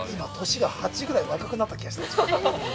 ◆年が８くらい若くなった気がした。